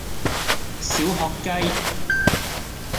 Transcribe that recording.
小學雞